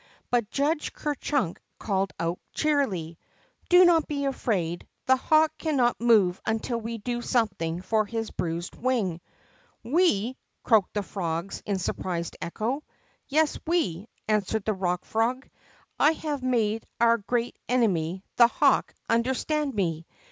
But J iidge Ker Chunk called out, cheerily: Do not be afraid. The hawk cannot move until we do something for his bruised wing." We !" croaked the frogs, in surprised echo. Yes, we! '' answered the Bock Frog. I have made our great enemy, the hawk, understand me.